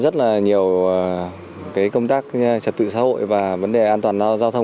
rất là nhiều công tác trật tự xã hội và vấn đề an toàn giao thông